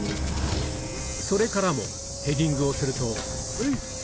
それからもヘディングをすると。